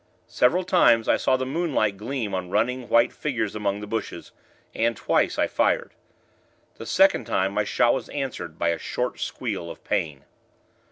Several times, I saw the moonlight gleam on running, white figures among the bushes, and, twice, I fired. The second time, my shot was answered by a short squeal of pain.